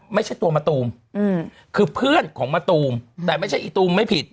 ไม่ใช่ตัวมะตูมคือเพื่อนของมะตูมแต่ไม่ใช่อีตูมไม่ผิด